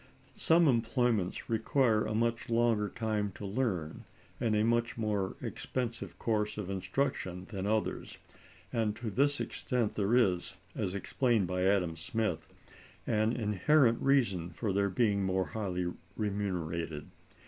Some employments require a much longer time to learn, and a much more expensive course of instruction, than others; and to this extent there is, as explained by Adam Smith, an inherent reason for their being more highly remunerated.